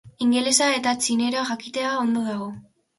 Ingelesa eta txinera jakitea ondo dago.